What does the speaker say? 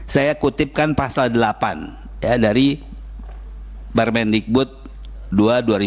saya kutipkan pasal delapan ya dari permendikbud dua dua ribu dua puluh